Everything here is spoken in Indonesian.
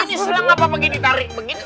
ini senang apa begini tarik begitu